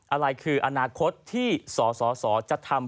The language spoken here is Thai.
อะไรคืออนาคตที่สสจะทำ